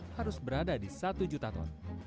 harus berada di satu juta ton